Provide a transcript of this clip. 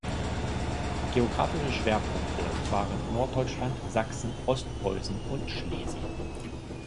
Geografische Schwerpunkte waren Norddeutschland, Sachsen, Ostpreußen und Schlesien.